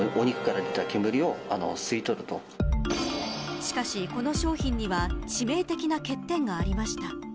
しかしこの商品には致命的な欠点がありました。